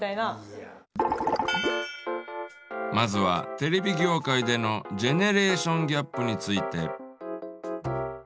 まずはテレビ業界でのジェネレーションギャップについて。